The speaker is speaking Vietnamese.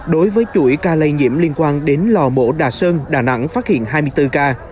đối với chuỗi ca lây nhiễm liên quan đến lò mổ đà sơn đà nẵng phát hiện hai mươi bốn ca